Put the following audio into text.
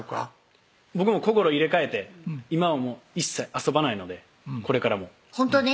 僕も心入れ替えて今はもう一切遊ばないのでこれからもほんとに？